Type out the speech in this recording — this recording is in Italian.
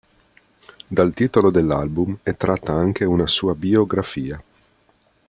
Dal titolo dell'album è tratta anche una sua biografia.